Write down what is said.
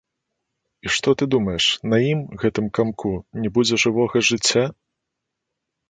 І што ты думаеш, на ім, гэтым камку, не будзе жывога жыцця?